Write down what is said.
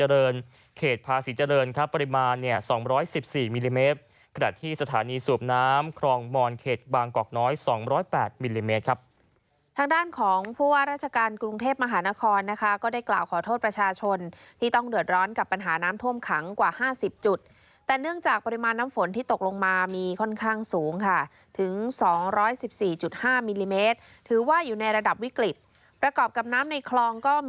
ร้อยตากมิลลิเมตรครับทางด้านของผู้ว่าราชการกรุงเทพมหานครนะคะก็ได้กล่าวขอโทษประชาชนที่ต้องเดือดร้อนกับปัญหาน้ำท่วมขังกว่าห้าสิบจุดแต่เนื่องจากปริมาณน้ำฝนที่ตกลงมามีค่อนข้างสูงค่ะถึงสองร้อยสิบสี่จุดห้ามิลลิเมตรถือว่าอยู่ในระดับวิกฤตประกอบกับน้ำในคลองก็ม